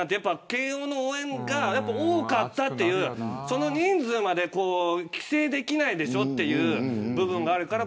慶応の応援が多かったという人数まで規制できないでしょという部分があるから。